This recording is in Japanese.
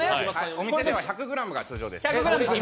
お店では１００ｇが通常です。